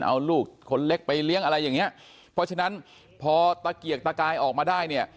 เอาลูกคนเล็กไปเลี้ยงอะไรอย่างเงี้ยเพราะฉะนั้นพอตะเกียกตะกายออกมาได้เนี่ย